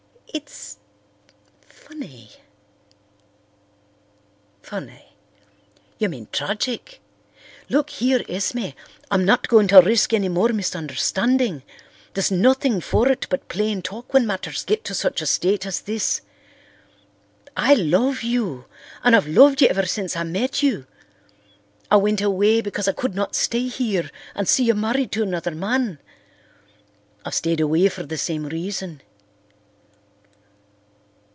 It's—funny." "Funny. You mean tragic! Look here, Esme, I'm not going to risk any more misunderstanding. There's nothing for it but plain talk when matters get to such a state as this. I love you—and I've loved you ever since I met you. I went away because I could not stay here and see you married to another man. I've stayed away for the same reason.